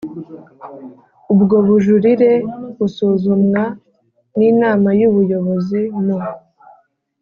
Ubwo bujurire busuzumwa n Inama y Ubuyobozi mu